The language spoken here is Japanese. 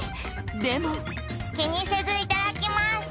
でも「気にせずいただきます！」